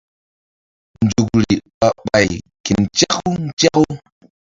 Nzukri ɓah ɓay ke nzaku nzaku.